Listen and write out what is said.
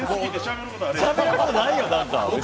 しゃべることないよ、もう。